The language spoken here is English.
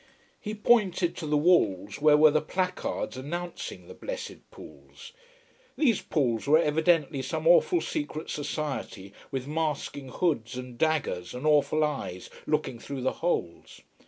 He pointed to the walls where were the placards announcing The Blessed Pauls. These Pauls were evidently some awful secret society with masking hoods and daggers and awful eyes looking through the holes.